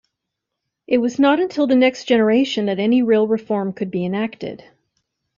It was not until the next generation that any real reform could be enacted.